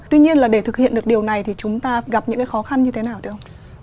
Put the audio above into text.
tuy nhiên là để thực hiện được điều này thì chúng ta gặp những cái khó khăn như thế nào thưa ông